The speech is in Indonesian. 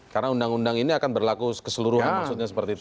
karena undang undang ini akan berlaku keseluruhan maksudnya seperti itu